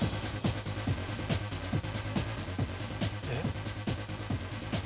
えっ？